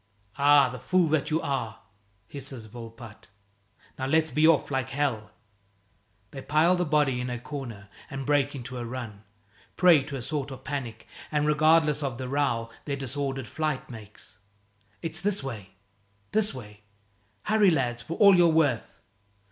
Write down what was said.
"Ah, the fool that you are!" hisses Volpatte. "Now let's be off like hell." They pile the body in a corner and break into a run, prey to a sort of panic, and regardless of the row their disordered flight makes. "It's this way! This way! Hurry, lads for all you're worth!"